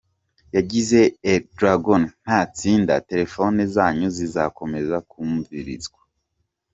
Yagize "Erdogan natsinda, telefone zanyu zizakomeza kumvirizwa.